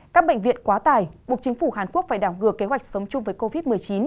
các bệnh viện quá tài một chính phủ hàn quốc phải đảo ngừa kế hoạch sống chung với covid một mươi chín